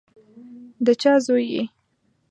د چا زوی یې؟